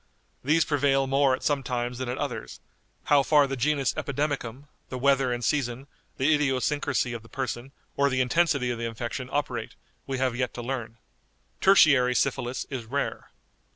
These prevail more at some times than at others; how far the genus epidemicum, the weather and season, the idiosyncrasy of the person, or the intensity of the infection operate, we have yet to learn." "_Tertiary syphilis is rare.